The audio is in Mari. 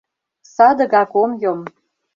Садыгак ом йом!